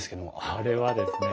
あれはですね